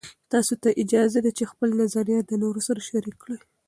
تاسې ته اجازه ده چې خپل نظریات د نورو سره شریک کړئ.